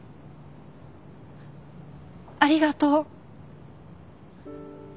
ありがとう。